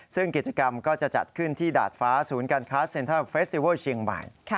ซึ่งกิจกรรมก็จะจัดขึ้นที่ดาดฟ้าศูนย์การค้าเซ็นทรัลเฟสติเวิลเชียงใหม่